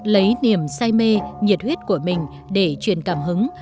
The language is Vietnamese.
lấy niềm say mê nhiệt huyết của mình để truyền cảm hứng